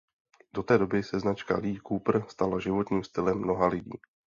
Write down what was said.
Do té doby se značka Lee Cooper stala "životním stylem" mnoha lidí.